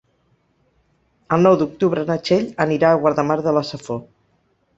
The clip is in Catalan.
El nou d'octubre na Txell anirà a Guardamar de la Safor.